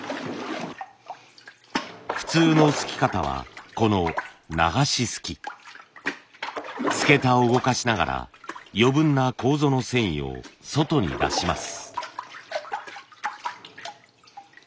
普通のすき方はこの「流しすき」。簀桁を動かしながら余分な楮の繊維を外に出します。